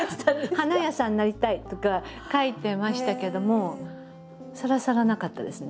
花屋さんなりたいとか書いてましたけどもさらさらなかったですね